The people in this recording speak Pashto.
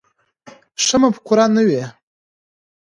ښه مفکوره نه وي.